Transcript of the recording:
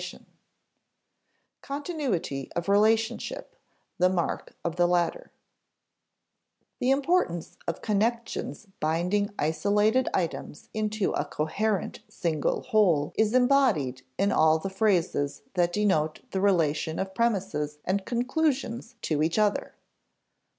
[Sidenote: Continuity of relationship the mark of the latter] The importance of connections binding isolated items into a coherent single whole is embodied in all the phrases that denote the relation of premises and conclusions to each other.